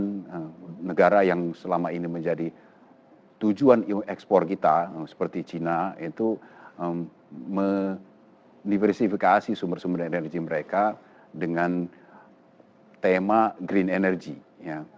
karena negara yang selama ini menjadi tujuan ekspor kita seperti china itu mendiversifikasi sumber sumber energi mereka dengan tema green energy